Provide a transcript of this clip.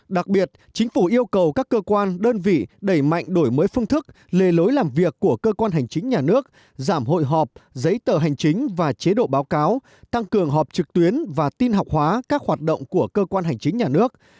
đặc biệt chính phủ yêu cầu các cơ quan đơn vị đẩy mạnh đổi mới phương thức lề lối làm việc của cơ quan hành chính nhà nước giảm hội họp giấy tờ hành chính và chế độ báo cáo tăng cường họp trực tuyến và tin học hóa các hoạt động của cơ quan hành chính nhà nước